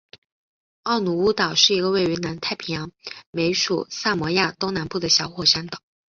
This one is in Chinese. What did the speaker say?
奥努乌岛是一个位于南太平洋美属萨摩亚东南部的小火山岛。